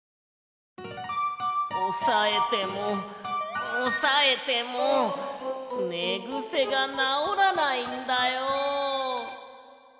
おさえてもおさえてもねぐせがなおらないんだよ。